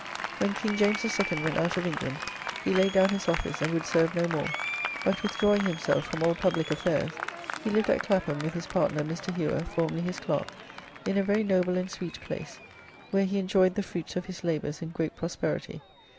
When K. James II. went out of England, he laid down his office, and would serve no more, but withdrawing himselfe from all public affaires, he liv'd at Clapham with his partner Mr. Hewer, formerly his clerk, in a very noble and sweete place, where he enjoy'd the fruits of his labours in greate prosperity.